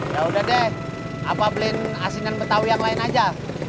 yaudah deh apa beliin asinan betawi yang lain aja